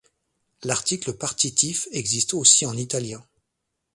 L'article partitif existe aussi en italien.